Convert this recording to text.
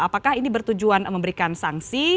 apakah ini bertujuan memberikan sanksi